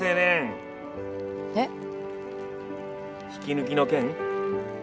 えっ？引き抜きの件？